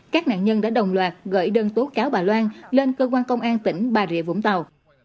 các nạn nhân đã đồng loạt gửi đơn tố cáo bà loan lên cơ quan công an tỉnh bà rịa vũng tàu